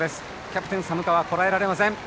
キャプテン寒川こらえられません。